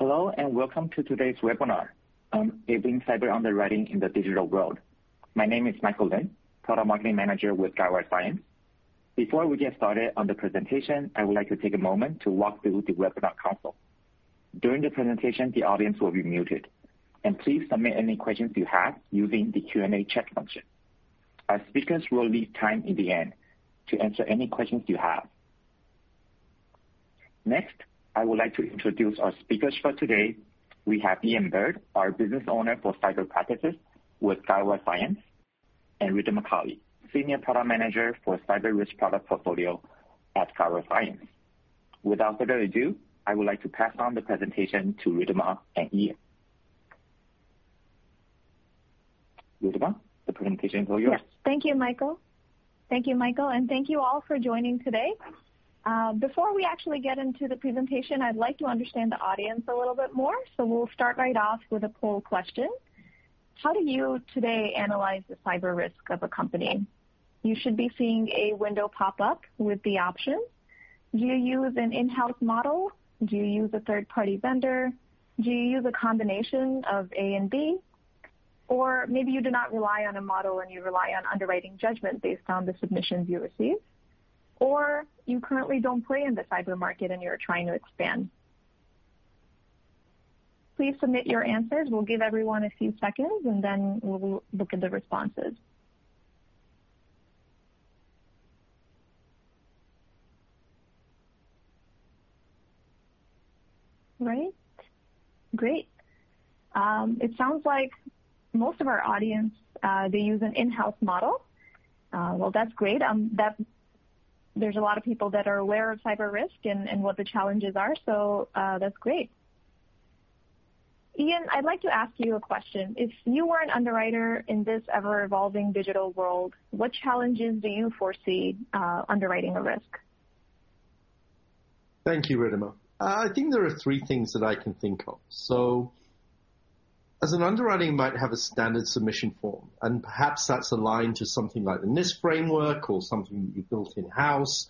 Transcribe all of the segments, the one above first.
Hello, and welcome to today's webinar, "Evolving Cyber Underwriting in the Digital World." My name is Michael Lin, Product Marketing Manager with Guidewire Cyence. Before we get started on the presentation, I would like to take a moment to walk through the webinar console. During the presentation, the audience will be muted, and please submit any questions you have using the Q&A chat function. Our speakers will leave time in the end to answer any questions you have. Next, I would like to introduce our speakers for today. We have Ian Bird, our Business Owner for Cyber Practices with Guidewire Cyence, and Ridhima Kale, Senior Product Manager for Cyber Risk Product Portfolio at Guidewire Cyence. Without further ado, I would like to pass on the presentation to Ridhima and Ian. Ridhima, the presentation is all yours. Yes, thank you, Michael. Thank you, Michael, and thank you all for joining today. Before we actually get into the presentation, I'd like to understand the audience a little bit more, so we'll start right off with a poll question. How do you today analyze the cyber risk of a company? You should be seeing a window pop up with the option. Do you use an in-house model? Do you use a third-party vendor? Do you use a combination of A and B? Or maybe you do not rely on a model and you rely on underwriting judgment based on the submissions you receive? Or you currently don't play in the cyber market and you're trying to expand. Please submit your answers. We'll give everyone a few seconds, and then we'll look at the responses. All right, great. It sounds like most of our audience, they use an in-house model. That's great. There's a lot of people that are aware of cyber risk and what the challenges are, so that's great. Ian, I'd like to ask you a question. If you were an underwriter in this ever-evolving digital world, what challenges do you foresee underwriting a risk? Thank you, Ridhima. I think there are three things that I can think of, so as an underwriter, you might have a standard submission form, and perhaps that's aligned to something like the NIST framework or something that you built in-house,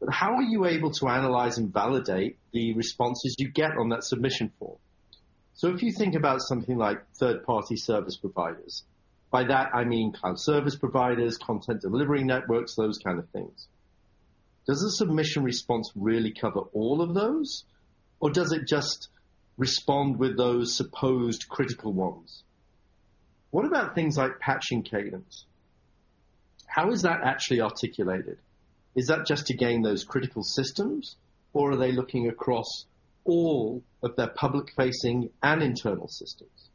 but how are you able to analyze and validate the responses you get on that submission form? So if you think about something like third-party service providers, by that I mean cloud service providers, content delivery networks, those kinds of things, does a submission response really cover all of those, or does it just respond with those supposed critical ones? What about things like patching cadence? How is that actually articulated? Is that just to gain those critical systems, or are they looking across all of their public-facing and internal systems?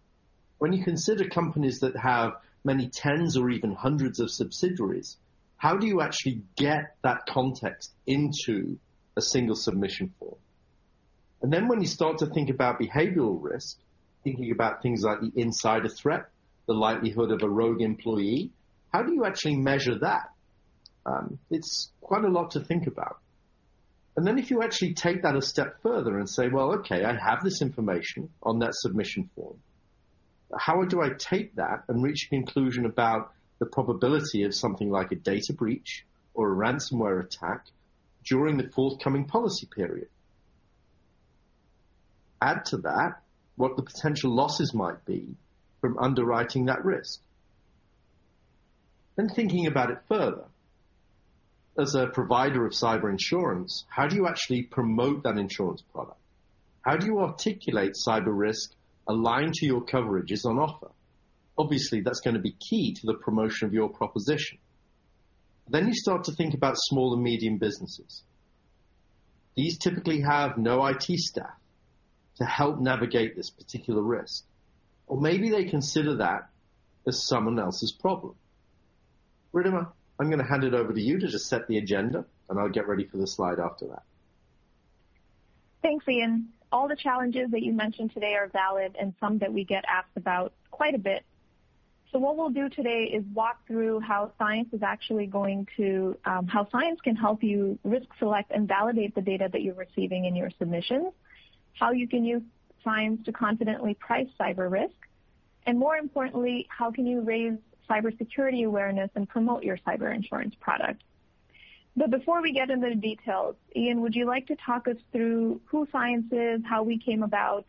When you consider companies that have many tens or even hundreds of subsidiaries, how do you actually get that context into a single submission form? And then when you start to think about behavioral risk, thinking about things like the insider threat, the likelihood of a rogue employee, how do you actually measure that? It's quite a lot to think about. And then if you actually take that a step further and say, "Well, okay, I have this information on that submission form. How do I take that and reach a conclusion about the probability of something like a data breach or a ransomware attack during the forthcoming policy period?" Add to that what the potential losses might be from underwriting that risk. Then thinking about it further. As a provider of cyber insurance, how do you actually promote that insurance product? How do you articulate cyber risk aligned to your coverages on offer? Obviously, that's going to be key to the promotion of your proposition. Then you start to think about small and medium businesses. These typically have no IT staff to help navigate this particular risk, or maybe they consider that as someone else's problem. Ridhima, I'm going to hand it over to you to just set the agenda, and I'll get ready for the slide after that. Thanks, Ian. All the challenges that you mentioned today are valid and some that we get asked about quite a bit. So, what we'll do today is walk through how Cyence is actually going to, how Cyence can help you risk select and validate the data that you're receiving in your submissions, how you can use Cyence to confidently price cyber risk, and more importantly, how can you raise cybersecurity awareness and promote your cyber insurance product. But before we get into the details, Ian, would you like to talk us through who Cyence is, how we came about,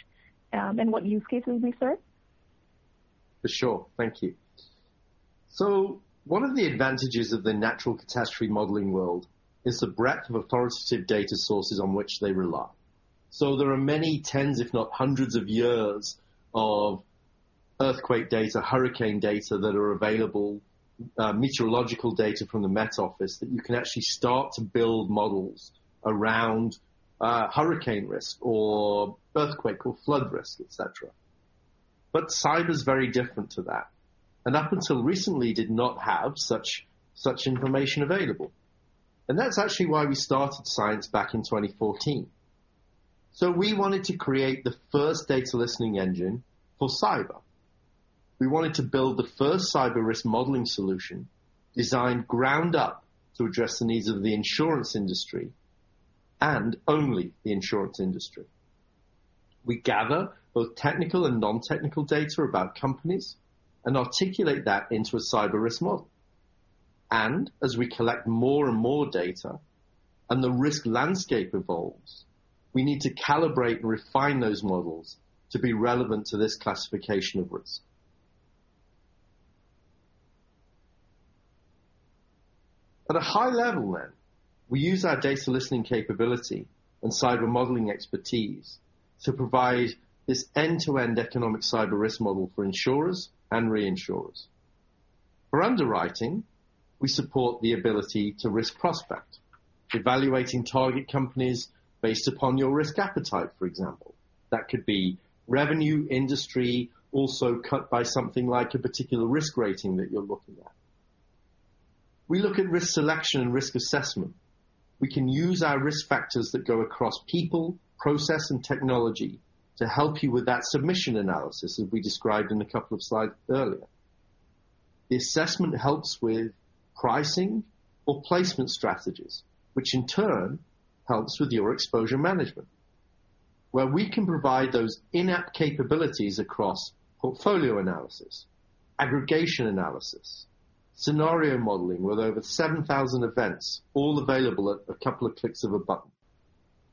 and what use cases we serve? Sure, thank you. So, one of the advantages of the natural catastrophe modeling world is the breadth of authoritative data sources on which they rely. So, there are many tens, if not hundreds, of years of earthquake data, hurricane data that are available, meteorological data from the Met Office that you can actually start to build models around hurricane risk or earthquake or flood risk, et cetera. But cyber is very different to that, and up until recently, did not have such information available. And that's actually why we started Cyence back in 2014. So, we wanted to create the first Data Listening Engine for cyber. We wanted to build the first cyber risk modeling solution designed ground up to address the needs of the insurance industry and only the insurance industry. We gather both technical and non-technical data about companies and articulate that into a cyber risk model. As we collect more and more data and the risk landscape evolves, we need to calibrate and refine those models to be relevant to this classification of risk. At a high level then, we use our data listening capability and cyber modeling expertise to provide this end-to-end economic cyber risk model for insurers and reinsurers. For underwriting, we support the ability to risk prospect, evaluating target companies based upon your risk appetite, for example. That could be revenue industry, also cut by something like a particular risk rating that you're looking at. We look at risk selection and risk assessment. We can use our risk factors that go across people, process, and technology to help you with that submission analysis, as we described in a couple of slides earlier. The assessment helps with pricing or placement strategies, which in turn helps with your exposure management, where we can provide those in-app capabilities across portfolio analysis, aggregation analysis, scenario modeling with over 7,000 events, all available at a couple of clicks of a button,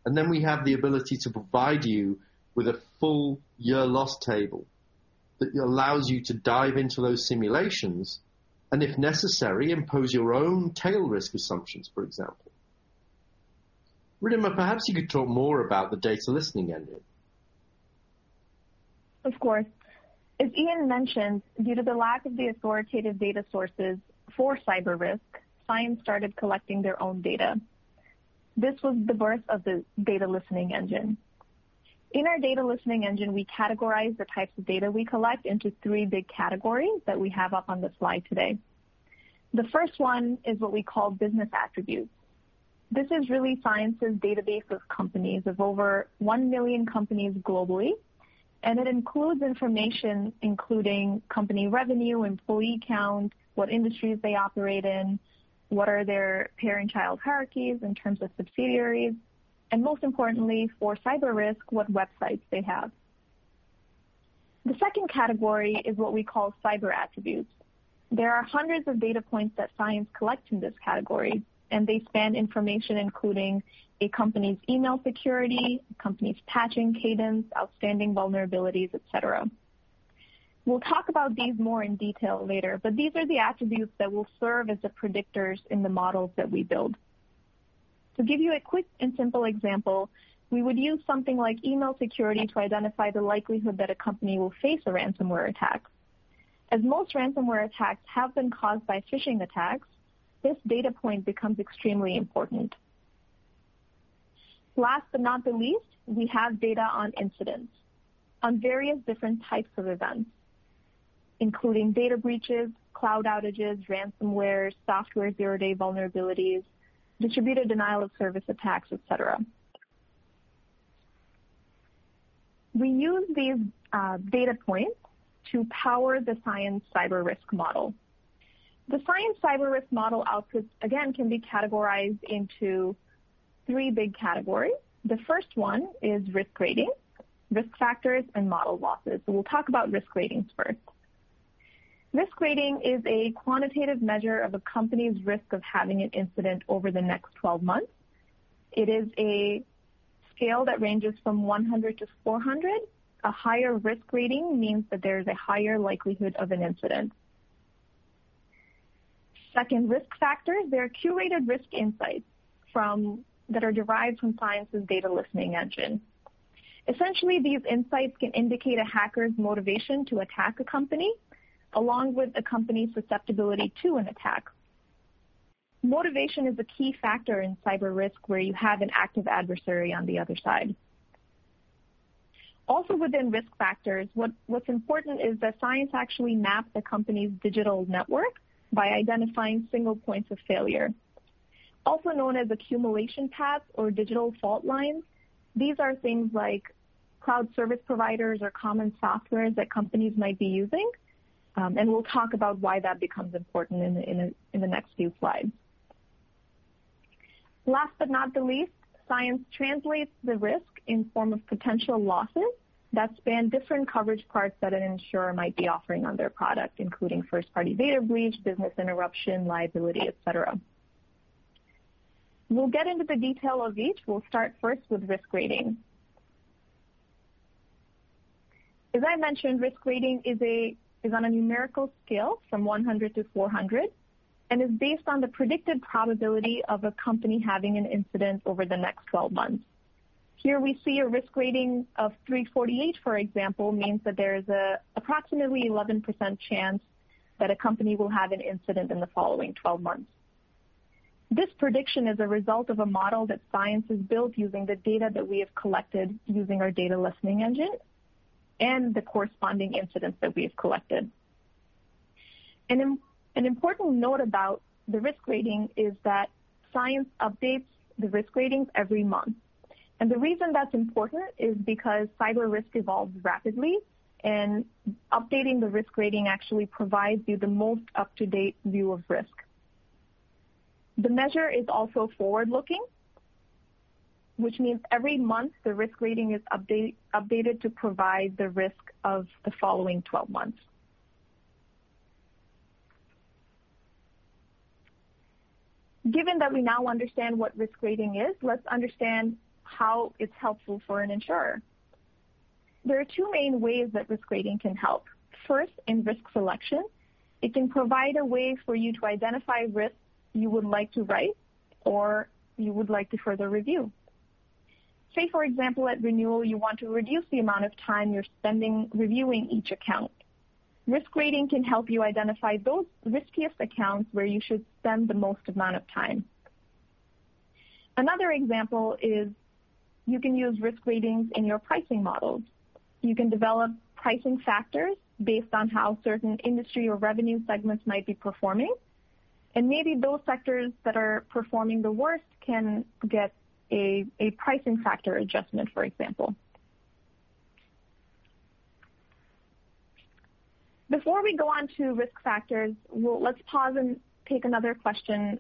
and then we have the ability to provide you with a full year-loss table that allows you to dive into those simulations and, if necessary, impose your own tail risk assumptions, for example. Ridhima, perhaps you could talk more about the data listening engine. Of course. As Ian mentioned, due to the lack of the authoritative data sources for cyber risk, Cyence started collecting their own data. This was the birth of the data listening engine. In our data listening engine, we categorize the types of data we collect into three big categories that we have up on the slide today. The first one is what we call business attributes. This is really Cyence's database of companies of over 1 million companies globally, and it includes information including company revenue, employee count, what industries they operate in, what are their parent-child hierarchies in terms of subsidiaries, and most importantly, for cyber risk, what websites they have. The second category is what we call cyber attributes. There are hundreds of data points that Cyence collects in this category, and they span information including a company's email security, a company's patching cadence, outstanding vulnerabilities, et cetera. We'll talk about these more in detail later, but these are the attributes that will serve as the predictors in the models that we build. To give you a quick and simple example, we would use something like email security to identify the likelihood that a company will face a ransomware attack. As most ransomware attacks have been caused by phishing attacks, this data point becomes extremely important. Last but not the least, we have data on incidents on various different types of events, including data breaches, cloud outages, ransomware, software zero-day vulnerabilities, distributed denial of service attacks, et cetera. We use these data points to power the Cyence cyber risk model. The Cyence cyber risk model outputs, again, can be categorized into three big categories. The first one is risk rating, risk factors, and model losses. So, we'll talk about risk ratings first. Risk rating is a quantitative measure of a company's risk of having an incident over the next 12 months. It is a scale that ranges from 100 to 400. A higher risk rating means that there is a higher likelihood of an incident. Second, risk factors, they're curated risk insights that are derived from Cyence's data listening engine. Essentially, these insights can indicate a hacker's motivation to attack a company, along with a company's susceptibility to an attack. Motivation is a key factor in cyber risk where you have an active adversary on the other side. Also, within risk factors, what's important is that Cyence actually maps a company's digital network by identifying single points of failure, also known as accumulation paths or digital fault lines. These are things like cloud service providers or common software that companies might be using, and we'll talk about why that becomes important in the next few slides. Last but not least, Cyence translates the risk in the form of potential losses that span different coverage parts that an insurer might be offering on their product, including first-party data breach, business interruption, liability, et cetera. We'll get into the detail of each. We'll start first with risk rating. As I mentioned, risk rating is on a numerical scale from 100 to 400 and is based on the predicted probability of a company having an incident over the next 12 months. Here, we see a risk rating of 348, for example, means that there is an approximately 11% chance that a company will have an incident in the following 12 months. This prediction is a result of a model that Cyence has built using the data that we have collected using our data listening engine and the corresponding incidents that we have collected. An important note about the risk rating is that Cyence updates the risk ratings every month. And the reason that's important is because cyber risk evolves rapidly, and updating the risk rating actually provides you the most up-to-date view of risk. The measure is also forward-looking, which means every month the risk rating is updated to provide the risk of the following 12 months. Given that we now understand what risk rating is, let's understand how it's helpful for an insurer. There are two main ways that risk rating can help. First, in risk selection, it can provide a way for you to identify risks you would like to write or you would like to further review. Say, for example, at renewal, you want to reduce the amount of time you're spending reviewing each account. Risk rating can help you identify those riskiest accounts where you should spend the most amount of time. Another example is you can use risk ratings in your pricing models. You can develop pricing factors based on how certain industry or revenue segments might be performing, and maybe those sectors that are performing the worst can get a pricing factor adjustment, for example. Before we go on to risk factors, let's pause and take another question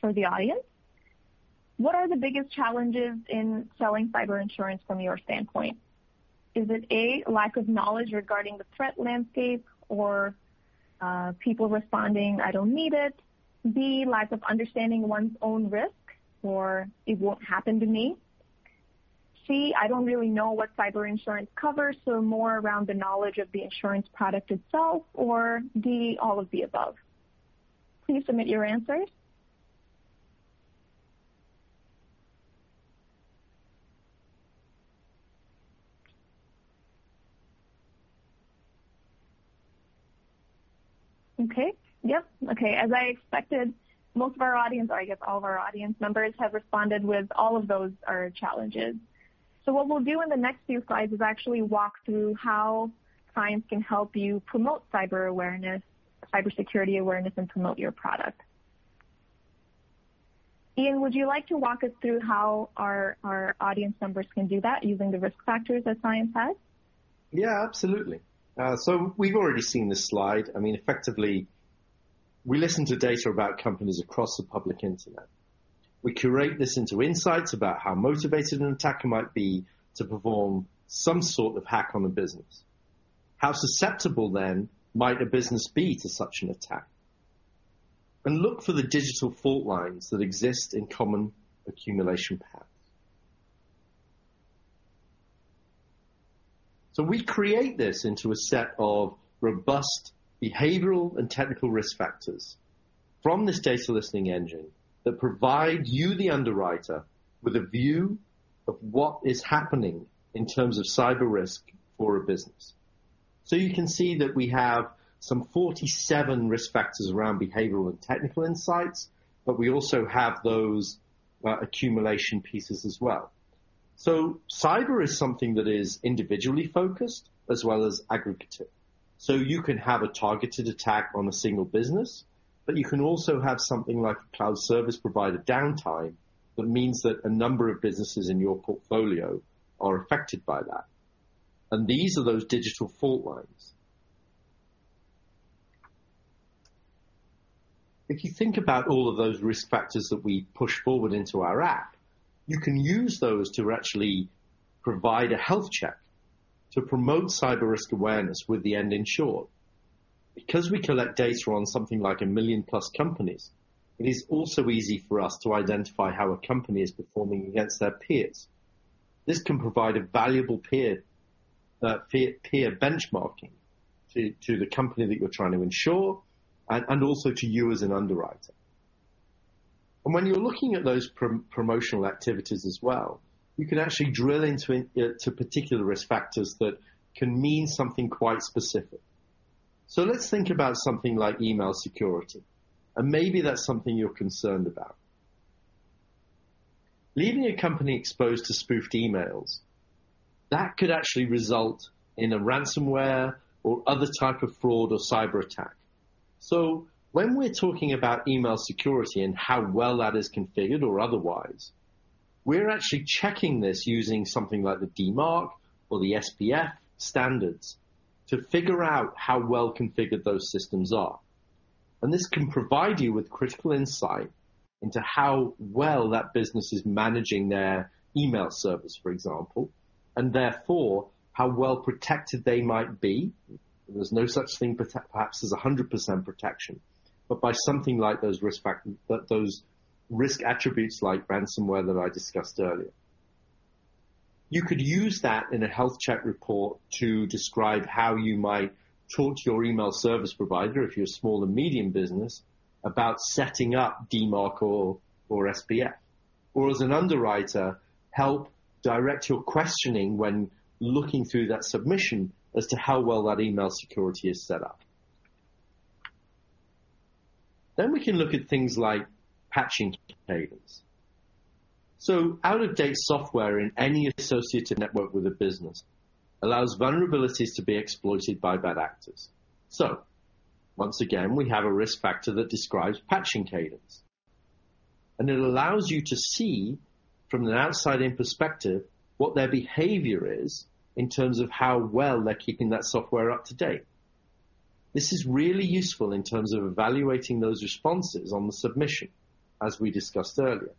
for the audience. What are the biggest challenges in selling cyber insurance from your standpoint? Is it, A, lack of knowledge regarding the threat landscape or people responding, "I don't need it"? B, lack of understanding one's own risk or "it won't happen to me"? C, "I don't really know what cyber insurance covers," so more around the knowledge of the insurance product itself? Or D, all of the above? Please submit your answers. Okay, yep. Okay, as I expected, most of our audience, or I guess all of our audience members, have responded with all of those challenges. So, what we'll do in the next few slides is actually walk through how Cyence can help you promote cyber awareness, cybersecurity awareness, and promote your product. Ian, would you like to walk us through how our audience members can do that using the risk factors that Cyence has? Yeah, absolutely. So, we've already seen this slide. I mean, effectively, we listen to data about companies across the public internet. We curate this into insights about how motivated an attacker might be to perform some sort of hack on a business. How susceptible then might a business be to such an attack? And look for the digital fault lines that exist in common accumulation paths. So, we create this into a set of robust behavioral and technical risk factors from this data listening engine that provide you, the underwriter, with a view of what is happening in terms of cyber risk for a business. So, you can see that we have some 47 risk factors around behavioral and technical insights, but we also have those accumulation pieces as well. So, cyber is something that is individually focused as well as aggregative. So, you can have a targeted attack on a single business, but you can also have something like a cloud service provider downtime that means that a number of businesses in your portfolio are affected by that. And these are those digital fault lines. If you think about all of those risk factors that we push forward into our app, you can use those to actually provide a health check to promote cyber risk awareness with the end user, in short. Because we collect data on something like a million-plus companies, it is also easy for us to identify how a company is performing against their peers. This can provide a valuable peer benchmarking to the company that you're trying to insure and also to you as an underwriter. And when you're looking at those promotional activities as well, you can actually drill into particular risk factors that can mean something quite specific. So, let's think about something like email security, and maybe that's something you're concerned about. Leaving a company exposed to spoofed emails, that could actually result in a ransomware or other type of fraud or cyber attack. So, when we're talking about email security and how well that is configured or otherwise, we're actually checking this using something like the DMARC or the SPF standards to figure out how well configured those systems are. And this can provide you with critical insight into how well that business is managing their email service, for example, and therefore how well protected they might be. There's no such thing perhaps as 100% protection, but by something like those risk attributes like ransomware that I discussed earlier. You could use that in a health check report to describe how you might talk to your email service provider if you're a small and medium business about setting up DMARC or SPF, or as an underwriter, help direct your questioning when looking through that submission as to how well that email security is set up. Then we can look at things like patching cadence. So, out-of-date software in any associated network with a business allows vulnerabilities to be exploited by bad actors. So, once again, we have a risk factor that describes patching cadence, and it allows you to see from an outside-in perspective what their behavior is in terms of how well they're keeping that software up to date. This is really useful in terms of evaluating those responses on the submission, as we discussed earlier.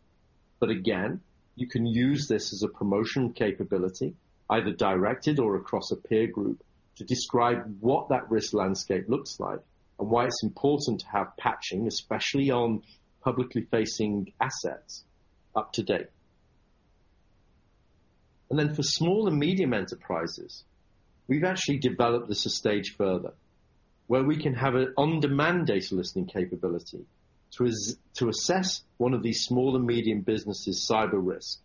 But again, you can use this as a promotional capability, either directed or across a peer group, to describe what that risk landscape looks like and why it's important to have patching, especially on publicly facing assets, up to date. And then for small and medium enterprises, we've actually developed this a stage further where we can have an on-demand data listening capability to assess one of these small and medium businesses' cyber risk.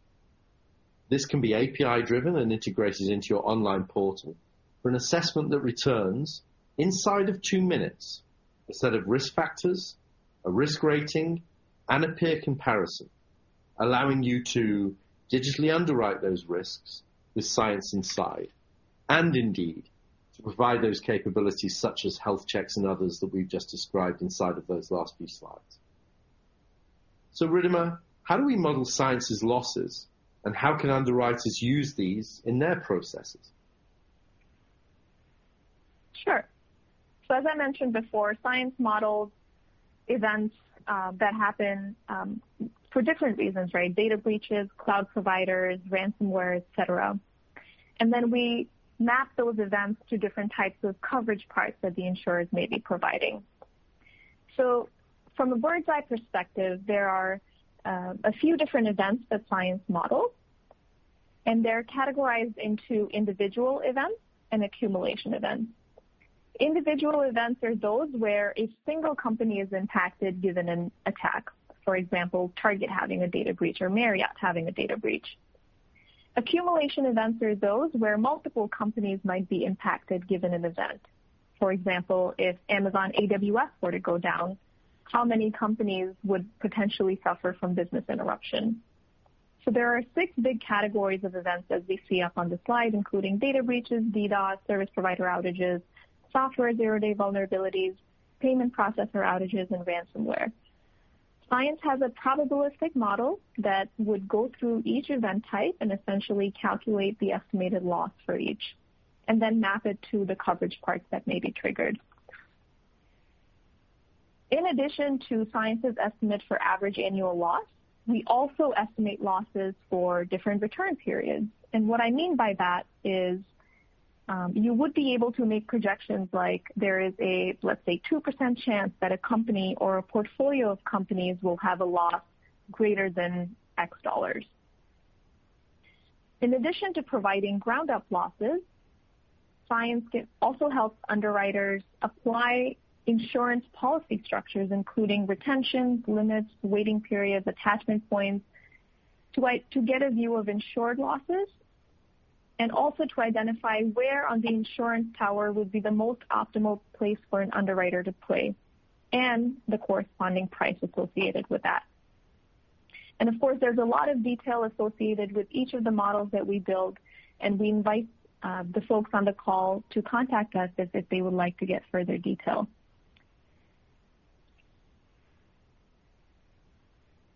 This can be API-driven and integrated into your online portal for an assessment that returns inside of two minutes a set of risk factors, a risk rating, and a peer comparison, allowing you to digitally underwrite those risks with Cyence inside and indeed to provide those capabilities such as health checks and others that we've just described inside of those last few slides. Ridhima, how do we model Cyence's losses, and how can underwriters use these in their processes? Sure. So, as I mentioned before, Cyence models events that happen for different reasons, right? Data breaches, cloud providers, ransomware, etc. And then we map those events to different types of coverage parts that the insurers may be providing. So, from a bird's-eye perspective, there are a few different events that Cyence models, and they're categorized into individual events and accumulation events. Individual events are those where a single company is impacted given an attack, for example, Target having a data breach or Marriott having a data breach. Accumulation events are those where multiple companies might be impacted given an event. For example, if Amazon AWS were to go down, how many companies would potentially suffer from business interruption? So, there are six big categories of events as we see up on the slide, including data breaches, DDoS, service provider outages, software zero-day vulnerabilities, payment processor outages, and ransomware. Cyence has a probabilistic model that would go through each event type and essentially calculate the estimated loss for each and then map it to the coverage parts that may be triggered. In addition to Cyence's estimate for average annual loss, we also estimate losses for different return periods, and what I mean by that is you would be able to make projections like there is a, let's say, 2% chance that a company or a portfolio of companies will have a loss greater than X dollars. In addition to providing ground-up losses, Cyence also helps underwriters apply insurance policy structures, including retention limits, waiting periods, attachment points, to get a view of insured losses and also to identify where on the insurance tower would be the most optimal place for an underwriter to play and the corresponding price associated with that. Of course, there's a lot of detail associated with each of the models that we build, and we invite the folks on the call to contact us if they would like to get further detail.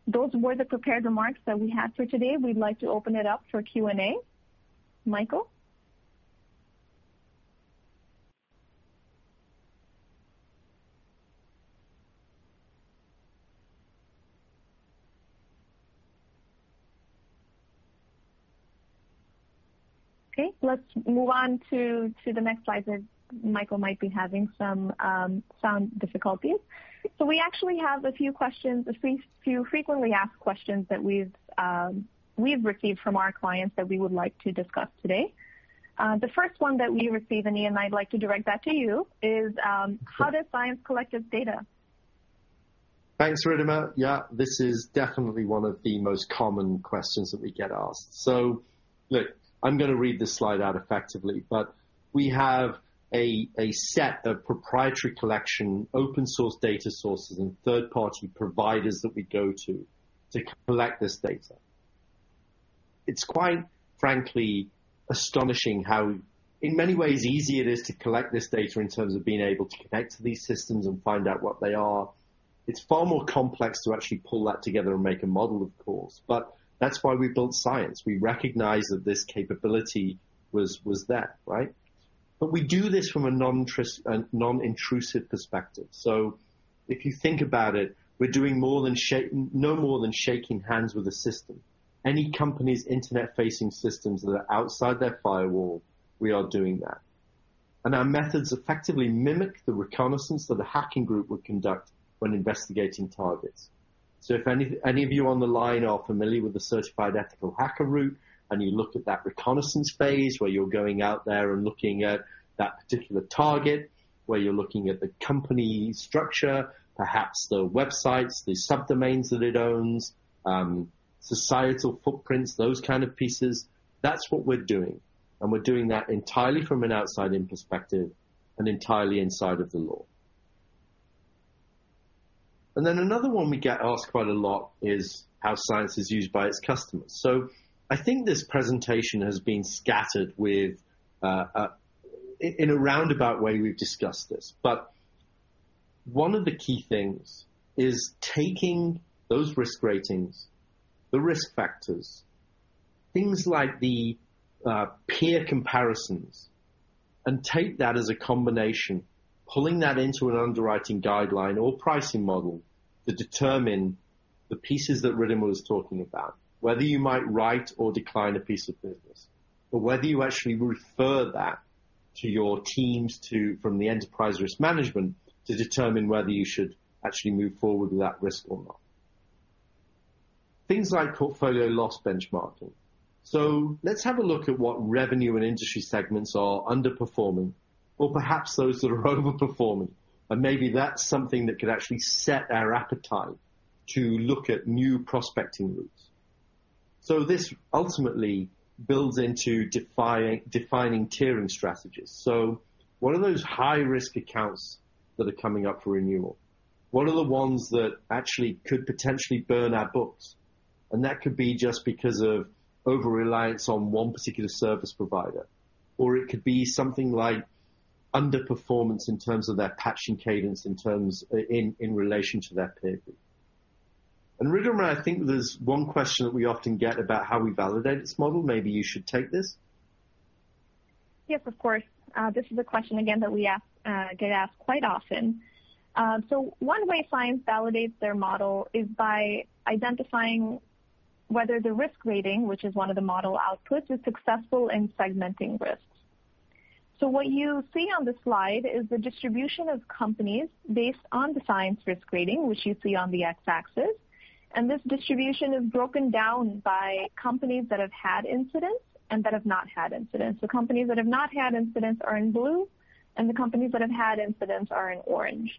Those were the prepared remarks that we had for today. We'd like to open it up for Q&A. Michael? Okay, let's move on to the next slide that Michael might be having some sound difficulties. We actually have a few questions, a few frequently asked questions that we've received from our clients that we would like to discuss today. The first one that we received, and I'd like to direct that to you, is how does Cyence collect this data? Thanks, Ridhima. Yeah, this is definitely one of the most common questions that we get asked, so look, I'm going to read this slide out effectively, but we have a set of proprietary collection, open-source data sources and third-party providers that we go to to collect this data. It's quite frankly astonishing how, in many ways, easy it is to collect this data in terms of being able to connect to these systems and find out what they are. It's far more complex to actually pull that together and make a model, of course, but that's why we built Cyence. We recognize that this capability was there, right, but we do this from a non-intrusive perspective. So if you think about it, we're doing no more than shaking hands with a system. Any company's internet-facing systems that are outside their firewall, we are doing that. Our methods effectively mimic the reconnaissance that a hacking group would conduct when investigating targets. If any of you on the line are familiar with the Certified Ethical Hacker route and you look at that reconnaissance phase where you're going out there and looking at that particular target, where you're looking at the company structure, perhaps the websites, the subdomains that it owns, societal footprints, those kind of pieces, that's what we're doing. We're doing that entirely from an outside-in perspective and entirely inside of the law. Another one we get asked quite a lot is how Cyence is used by its customers. I think this presentation has been scattered in a roundabout way we've discussed this, but one of the key things is taking those risk ratings, the risk factors, things like the peer comparisons, and take that as a combination, pulling that into an underwriting guideline or pricing model to determine the pieces that Ridhima was talking about, whether you might write or decline a piece of business, or whether you actually refer that to your teams from the enterprise risk management to determine whether you should actually move forward with that risk or not. Things like portfolio loss benchmarking. Let's have a look at what revenue and industry segments are underperforming or perhaps those that are overperforming, and maybe that's something that could actually set our appetite to look at new prospecting routes. This ultimately builds into defining tiering strategies. What are those high-risk accounts that are coming up for renewal? What are the ones that actually could potentially burn our books? And that could be just because of over-reliance on one particular service provider, or it could be something like underperformance in terms of their patching cadence in relation to their peer group. And Ridhima, I think there's one question that we often get about how we validate this model. Maybe you should take this. Yes, of course. This is a question again that we get asked quite often. So, one way Cyence validates their model is by identifying whether the risk rating, which is one of the model outputs, is successful in segmenting risks. So, what you see on the slide is the distribution of companies based on the Cyence risk rating, which you see on the x-axis, and this distribution is broken down by companies that have had incidents and that have not had incidents. So, companies that have not had incidents are in blue, and the companies that have had incidents are in orange.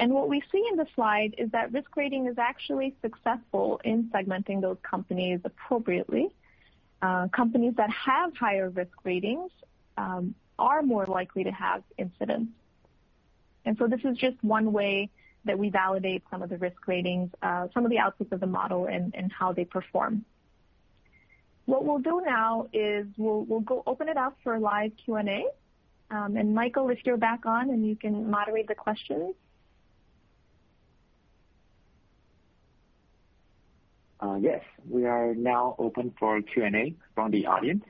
And what we see in the slide is that risk rating is actually successful in segmenting those companies appropriately. Companies that have higher risk ratings are more likely to have incidents. And so, this is just one way that we validate some of the risk ratings, some of the outputs of the model, and how they perform. What we'll do now is we'll open it up for a live Q&A. And Michael, if you're back on and you can moderate the questions. Yes, we are now open for Q&A from the audience.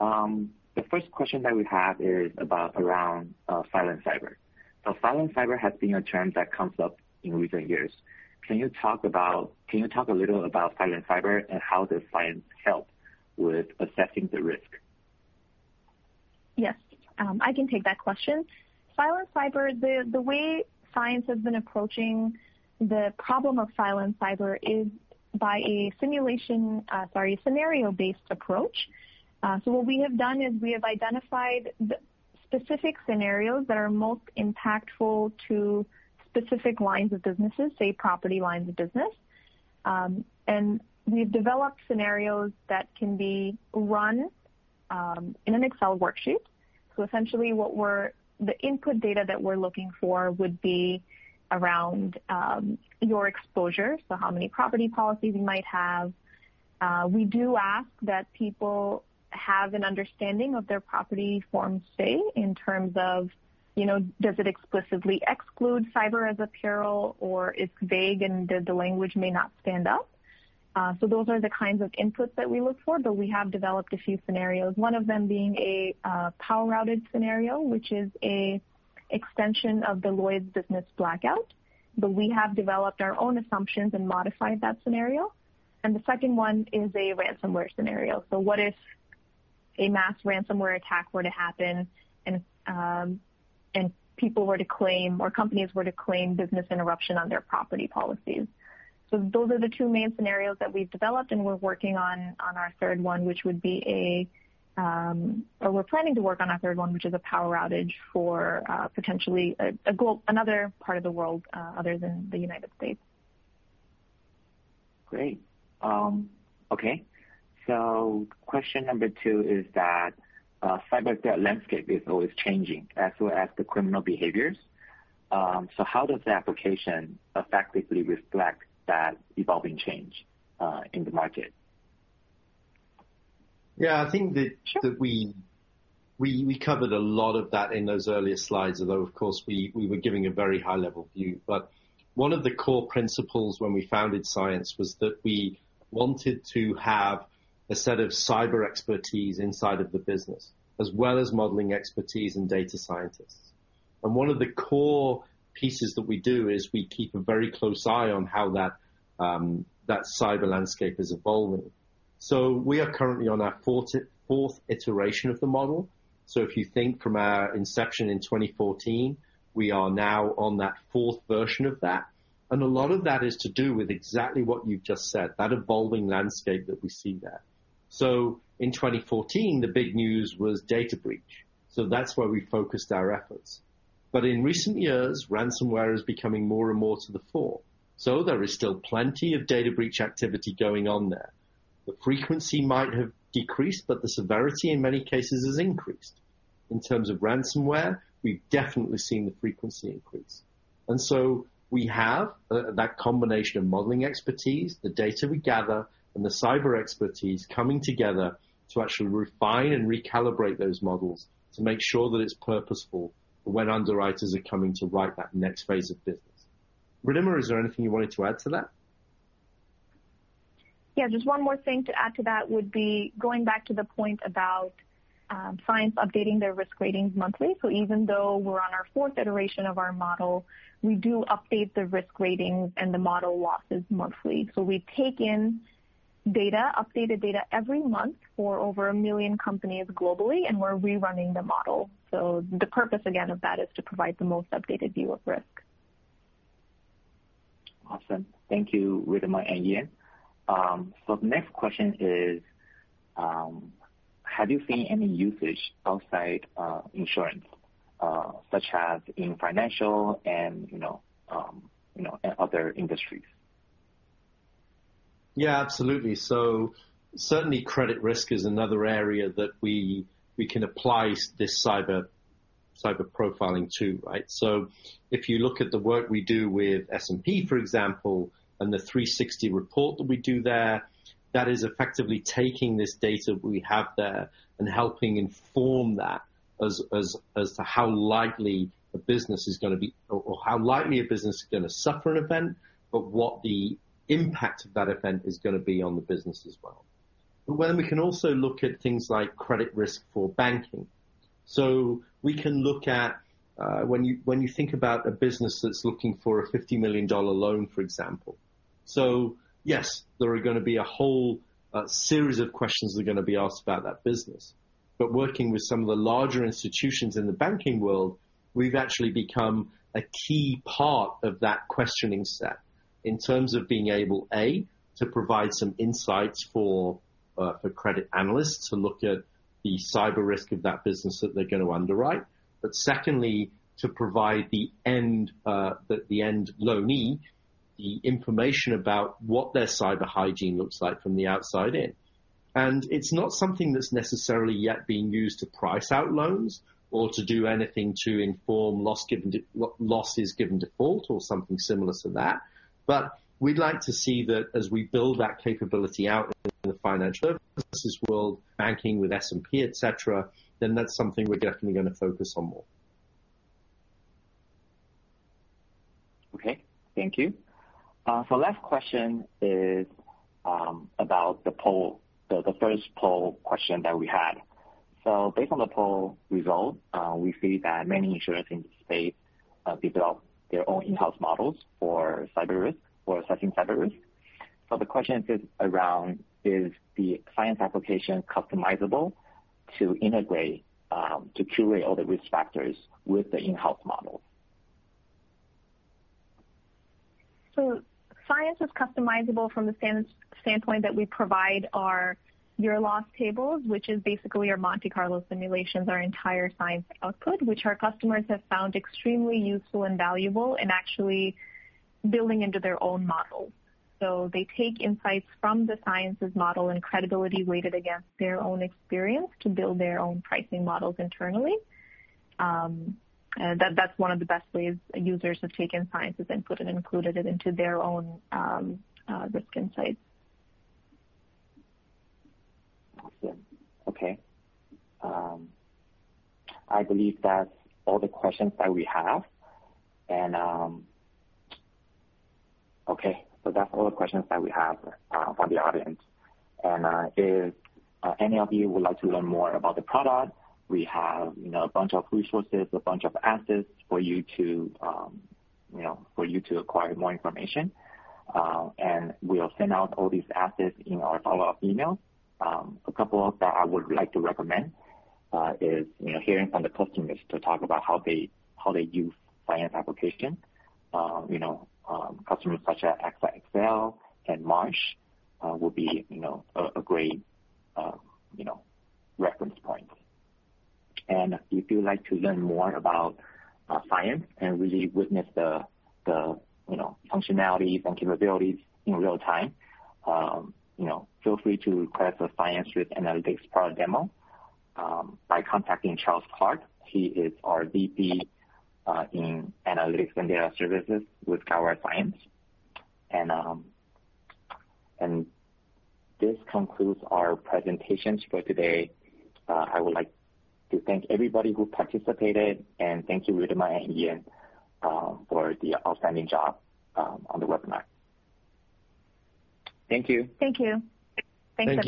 The first question that we have is about around silent cyber. So, silent cyber has been a term that comes up in recent years. Can you talk a little about silent cyber and how does Cyence help with assessing the risk? Yes, I can take that question. Silent cyber, the way Cyence has been approaching the problem of silent cyber is by a simulation, sorry, a scenario-based approach. So, what we have done is we have identified specific scenarios that are most impactful to specific lines of businesses, say property lines of business, and we've developed scenarios that can be run in an Excel worksheet. So, essentially, the input data that we're looking for would be around your exposure, so how many property policies you might have. We do ask that people have an understanding of their property form status in terms of, does it explicitly exclude cyber as a peril, or it's vague and the language may not stand up? So, those are the kinds of inputs that we look for, but we have developed a few scenarios, one of them being a power outage scenario, which is an extension of Deloitte's Business Blackout, but we have developed our own assumptions and modified that scenario. And the second one is a ransomware scenario. So, what if a mass ransomware attack were to happen and people were to claim, or companies were to claim business interruption on their property policies? So, those are the two main scenarios that we've developed, and we're planning to work on our third one, which is a power outage for potentially another part of the world other than the United States. Great. Okay, so question number two is, the cyber threat landscape is always changing as well as the criminal behaviors. So, how does the application effectively reflect that evolving change in the market? Yeah, I think that we covered a lot of that in those earlier slides, although, of course, we were giving a very high-level view. But one of the core principles when we founded Cyence was that we wanted to have a set of cyber expertise inside of the business as well as modeling expertise in data scientists. And one of the core pieces that we do is we keep a very close eye on how that cyber landscape is evolving. So, we are currently on our fourth iteration of the model. So, if you think from our inception in 2014, we are now on that fourth version of that. And a lot of that is to do with exactly what you've just said, that evolving landscape that we see there. So, in 2014, the big news was data breach. So, that's where we focused our efforts. But in recent years, ransomware is becoming more and more to the fore. So, there is still plenty of data breach activity going on there. The frequency might have decreased, but the severity in many cases has increased. In terms of ransomware, we've definitely seen the frequency increase. And so, we have that combination of modeling expertise, the data we gather, and the cyber expertise coming together to actually refine and recalibrate those models to make sure that it's purposeful when underwriters are coming to write that next phase of business. Ridhima, is there anything you wanted to add to that? Yeah, just one more thing to add to that would be going back to the point about Cyence updating their risk ratings monthly. So, even though we're on our fourth iteration of our model, we do update the risk ratings and the model losses monthly. So, we take in data, updated data every month for over a million companies globally, and we're rerunning the model. So, the purpose, again, of that is to provide the most updated view of risk. Awesome. Thank you, Ridhima and Ian. So, the next question is, have you seen any usage outside insurance, such as in financial and other industries? Yeah, absolutely. So, certainly, credit risk is another area that we can apply this cyber profiling to, right? So, if you look at the work we do with S&P, for example, and the 360 report that we do there, that is effectively taking this data we have there and helping inform that as to how likely a business is going to be, or how likely a business is going to suffer an event, but what the impact of that event is going to be on the business as well. But then we can also look at things like credit risk for banking. So, we can look at, when you think about a business that's looking for a $50 million loan, for example. So, yes, there are going to be a whole series of questions that are going to be asked about that business. But working with some of the larger institutions in the banking world, we've actually become a key part of that questioning set in terms of being able, A, to provide some insights for credit analysts to look at the cyber risk of that business that they're going to underwrite, but secondly, to provide the end loanee, the information about what their cyber hygiene looks like from the outside in. And it's not something that's necessarily yet being used to price out loans or to do anything to inform losses given default or something similar to that, but we'd like to see that as we build that capability out in the financial services world, banking with S&P, et cetera, then that's something we're definitely going to focus on more. Okay, thank you. So, the last question is about the poll, the first poll question that we had. So, based on the poll result, we see that many insurers in the space develop their own in-house models for cyber risk, for assessing cyber risk. So, the question is around, is the Cyence application customizable to integrate, to curate all the risk factors with the in-house model? Cyence is customizable from the standpoint that we provide our actuarial loss tables, which is basically our Monte Carlo simulations, our entire Cyence output, which our customers have found extremely useful and valuable in actually building into their own models. They take insights from the Cyence's model and credibility weighted against their own experience to build their own pricing models internally. That's one of the best ways users have taken Cyence's input and included it into their own risk insights. Awesome. Okay, I believe that's all the questions that we have from the audience. And if any of you would like to learn more about the product, we have a bunch of resources, a bunch of assets for you to acquire more information. And we'll send out all these assets in our follow-up emails. A couple that I would like to recommend is hearing from the customers to talk about how they use Cyence application. Customers such as AXA XL and Marsh will be a great reference point. And if you'd like to learn more about Cyence and really witness the functionalities and capabilities in real time, feel free to request a Cyence Risk Analytics product demo by contacting Charles Clark. He is our VP in Analytics and Data Services at Guidewire Cyence. And this concludes our presentations for today. I would like to thank everybody who participated, and thank you, Ridhima and Ian for the outstanding job on the webinar. Thank you. Thank you. Thanks everyone.